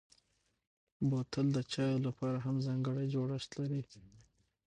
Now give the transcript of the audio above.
بوتل د چايو لپاره هم ځانګړی جوړښت لري.